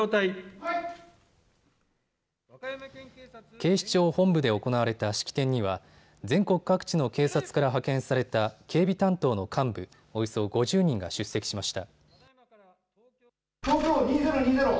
警視庁本部で行われた式典には全国各地の警察から派遣された警備担当の幹部およそ５０人が出席しました。